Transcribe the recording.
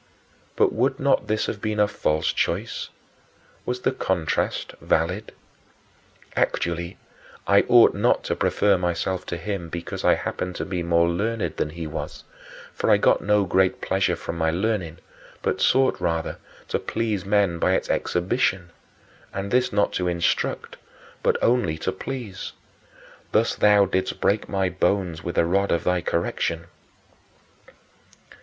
But would not this have been a false choice? Was the contrast valid? Actually, I ought not to prefer myself to him because I happened to be more learned than he was; for I got no great pleasure from my learning, but sought, rather, to please men by its exhibition and this not to instruct, but only to please. Thus thou didst break my bones with the rod of thy correction.